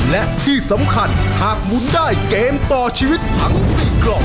และที่สำคัญหากหมุนได้เกมต่อชีวิตทั้ง๔กล่อง